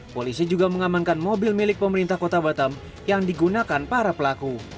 polisi juga mengamankan mobil milik pemerintah kota batam yang digunakan para pelaku